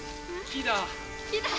木だ！